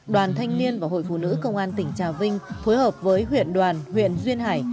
đoàn thanh niên và hội phụ nữ công an tỉnh trà vinh phối hợp với huyện đoàn huyện duyên hải